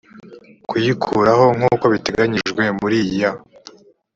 kuyikuraho nk uko biteganyijwe muri aya